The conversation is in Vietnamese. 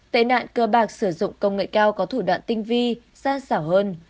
tệ nạn cơ bạc sử dụng công nghệ cao có thủ đoạn tinh vi san sảo hơn